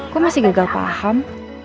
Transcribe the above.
kok masih gagal paham